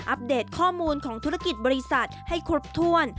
เดตข้อมูลของธุรกิจบริษัทให้ครบถ้วน